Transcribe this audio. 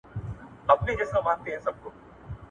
ډبره زموږ لخوا له کړکۍ څخه چاڼ کیږي.